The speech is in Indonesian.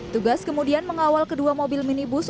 tugas kemudian mengawal kedua mobil minibus